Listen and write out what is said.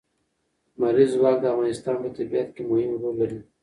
لمریز ځواک د افغانستان په طبیعت کې مهم رول لري.